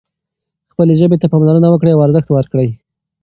خپلې ژبې ته پاملرنه وکړئ او ارزښت ورکړئ.